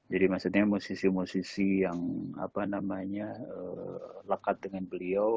jadi maksudnya musisi musisi yang apa namanya lekat dengan beliau